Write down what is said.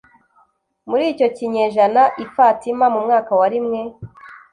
muri icyo kinyejana, i fatima mu mwaka wa rimwe